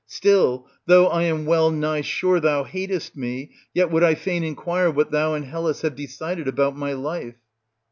Still, though I am well nigh sure thouhatest me, yet would I fain inquire what thou and Hellas have decided about my life.